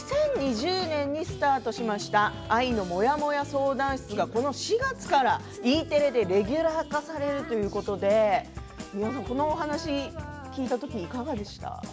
２０２０年にスタートしました「愛のモヤモヤ相談室」がこの４月からＥテレでレギュラー化されるということでこの話聞いたときいかがでした？